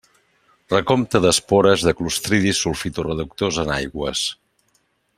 Recompte d'espores de clostridis sulfito-reductors en aigües.